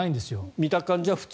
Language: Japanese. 見た感じは普通？